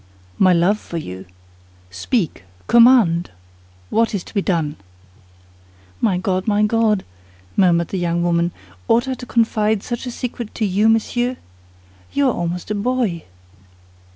"My love for you. Speak! Command! What is to be done?" "My God, my God!" murmured the young woman, "ought I to confide such a secret to you, monsieur? You are almost a boy."